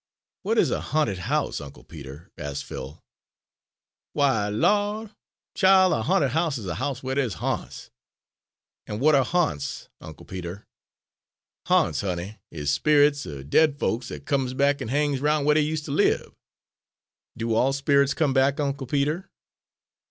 '" "What is a ha'nted house, Uncle Peter?" asked Phil. "W'y. Law,' chile, a ha'nted house is a house whar dey's ha'nts!" "And what are ha'nts, Uncle Peter?" "Ha'nts, honey, is sperrits er dead folks, dat comes back an' hangs roun' whar dey use' ter lib." "Do all spirits come back, Uncle Peter?"